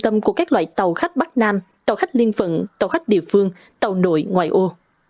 tâm của các loại tàu khách bắc nam tàu khách liên phận tàu khách địa phương tàu nội ngoại ô